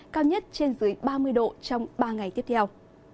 cao nhất trên dưới ba mươi độ trong ba ngày tiếp theo